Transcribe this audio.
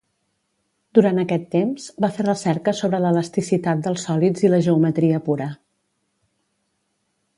Durant aquest temps, va fer recerca sobre l'elasticitat dels sòlids i la geometria pura.